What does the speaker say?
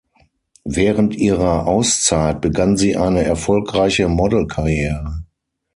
Während ihrer Auszeit begann sie eine erfolgreiche Modelkarriere.